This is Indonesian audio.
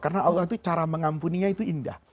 karena allah itu cara mengampuni itu indah